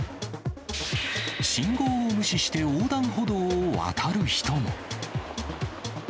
信号を無視して横断歩道を渡る人も。